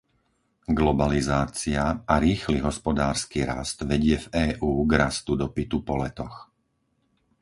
Globalizácia a rýchly hospodársky rast vedie v EÚ k rastu dopytu po letoch.